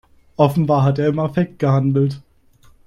Offenbar hat er im Affekt gehandelt.